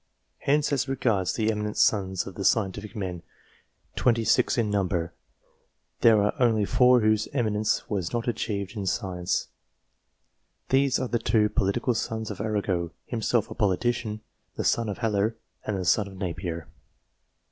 Hence, as regard the emi nent sons of the scientific men twenty six in number there are only four whose eminence was not achieved in science. These are the two political sons of Arago (himself a politician), the son of Haller, and the son of Napier.